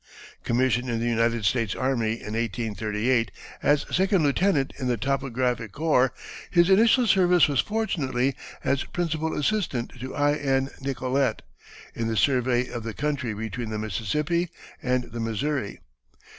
Commissioned in the United States Army, in 1838, as second lieutenant in the Topographic Corps, his initial service was fortunately as principal assistant to I. N. Nicolet, in the survey of the country between the Mississippi and the Missouri.